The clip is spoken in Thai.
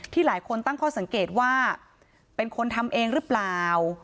หลายคนตั้งข้อสังเกตว่าเป็นคนทำเองหรือเปล่า